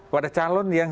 pada calon yang